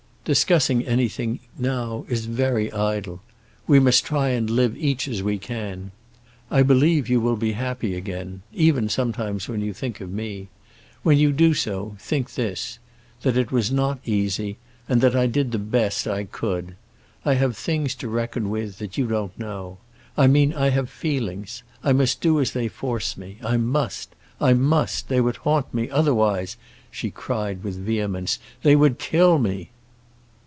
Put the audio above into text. Discussing anything, now, is very idle. We must try and live each as we can. I believe you will be happy again; even, sometimes, when you think of me. When you do so, think this—that it was not easy, and that I did the best I could. I have things to reckon with that you don't know. I mean I have feelings. I must do as they force me—I must, I must. They would haunt me otherwise," she cried, with vehemence; "they would kill me!"